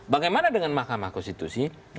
bagaimana dengan makamah konstitusi